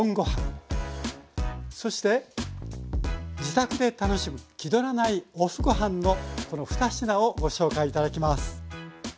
そして自宅で楽しむ気取らないＯＦＦごはんのこの２品をご紹介頂きます。